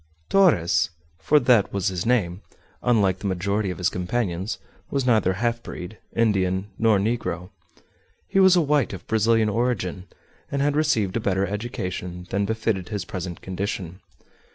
_ Torres for that was his name unlike the majority of his companions, was neither half breed, Indian, nor negro. He was a white of Brazilian origin, and had received a better education than befitted his present condition.